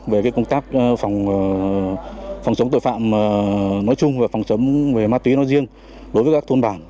và phòng chống về ma túy nói riêng đối với các thôn bản